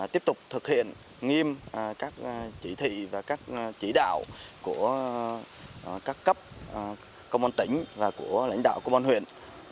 tiếp tục thực hiện nghiêm các chỉ thị và các chỉ đạo của các cấp công an tỉnh và của lãnh đạo công an huyện